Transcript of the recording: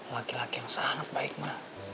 laki laki yang sangat baik mbak